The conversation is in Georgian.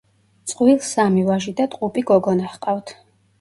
წყვილს სამი ვაჟი და ტყუპი გოგონა ჰყავთ.